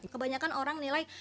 kebanyakan orang nilai